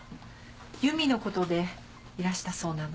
由美のことでいらしたそうなの。